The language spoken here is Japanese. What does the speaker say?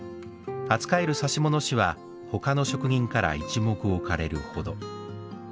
扱える指物師は他の職人から一目置かれるほど。